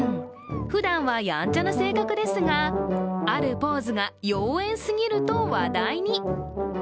ふだんは、やんちゃな性格ですが、あるポーズが妖艶すぎると話題に。